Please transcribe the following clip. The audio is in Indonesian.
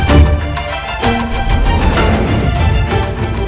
mau ngapain si perempuan itu